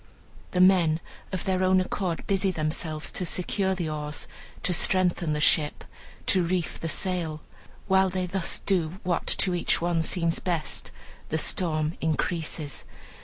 The men, of their own accord, busy themselves to secure the oars, to strengthen the ship, to reef the sail. While they thus do what to each one seems best, the storm increases.